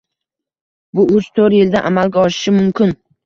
Bu uch-to'rt yilda amalga oshishi mumkin.